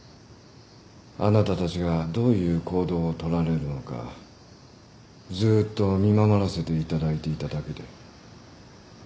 あなたたちがどういう行動をとられるのかずっと見守らせていただいていただけで。